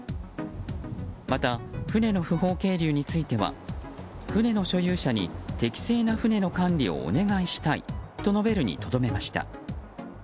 また、船の不法係留については船の所有者に適正な船の管理をお願いしたいと述べるにとどめました。